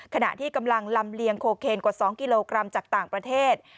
ขณะที่กำลังลำเลียงโคเคนกว่า๒กิโลกรัมจากต่างประเทศ